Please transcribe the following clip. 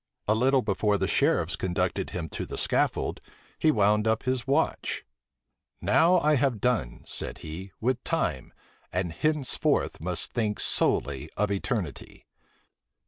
A little before the sheriffs conducted him to the scaffold, he wound up his watch: "Now I have done," said he, "with time, and hence forth must think solely of eternity."